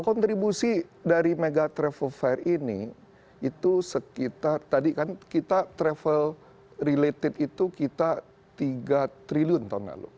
kontribusi dari mega travel fair ini itu sekitar tadi kan kita travel related itu kita tiga triliun tahun lalu